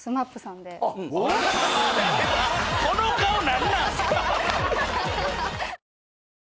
この顔何なんすか。